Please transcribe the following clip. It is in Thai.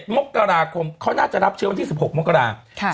มกราคมเขาน่าจะรับเชื้อวันที่๑๖มกรา